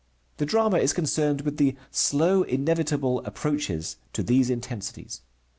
The drama is concerned with the slow, inevitable approaches to these intensities.